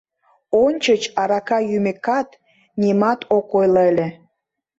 Ончыч, арака йӱмекат, нимат ок ойло ыле.